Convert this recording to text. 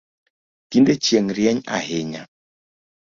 Tinde chieng rieny ahinya